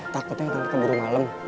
takutnya nanti keburu malam